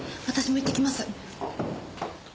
私も行ってきます。